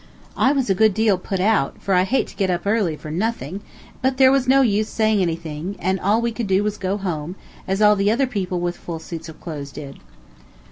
I was a good deal put out, for I hate to get up early for nothing, but there was no use saying anything, and all we could do was to go home, as all the other people with full suits of clothes did.